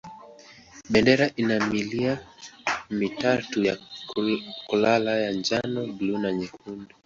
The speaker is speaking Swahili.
Bendera ina milia mitatu ya kulala ya njano, buluu na nyekundu.